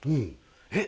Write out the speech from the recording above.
「えっ？